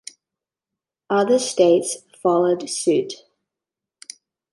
Other states followed suit.